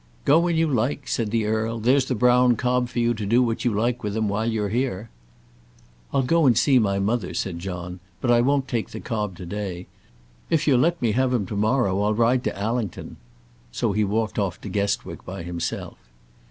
"Go when you like," said the earl. "There's the brown cob for you to do what you like with him while you are here." "I'll go and see my mother," said John; "but I won't take the cob to day. If you'll let me have him to morrow, I'll ride to Allington." So he walked off to Guestwick by himself.